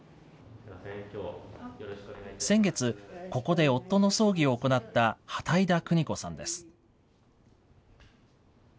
先月、ここで夫の葬儀を行った畑井田邦子さんです。